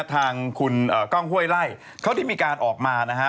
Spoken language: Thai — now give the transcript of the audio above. ทางคุณกล้องห้วยไล่เขาได้มีการออกมานะฮะ